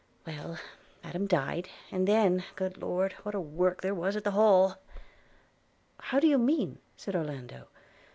– Well, Madam died, and then – Good Lord, what a work there was at Hall!' – 'How do you mean?' said Orlando.